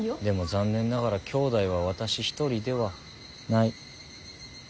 でも残念ながら兄弟は私一人ではない。